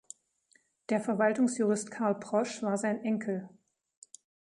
Der Verwaltungsjurist Karl Prosch war sein Enkel.